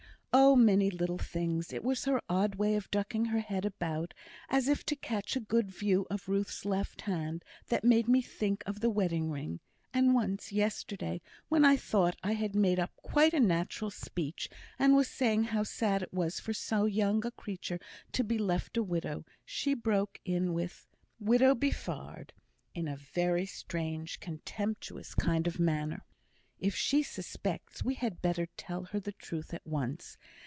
"Oh! many little things. It was her odd way of ducking her head about, as if to catch a good view of Ruth's left hand, that made me think of the wedding ring; and once, yesterday, when I thought I had made up quite a natural speech, and was saying how sad it was for so young a creature to be left a widow, she broke in with 'widow be farred!' in a very strange, contemptuous kind of manner." "If she suspects, we had far better tell her the truth at once.